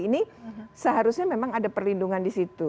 ini seharusnya memang ada perlindungan di situ